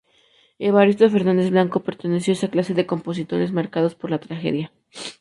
Evaristo Fernández Blanco perteneció a esa clase de compositores marcados por la tragedia.